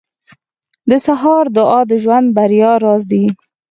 • د سهار دعا د ژوند د بریا راز دی.